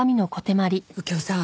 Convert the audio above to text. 右京さん